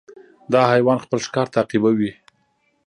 دا حیوان خپل ښکار تعقیبوي.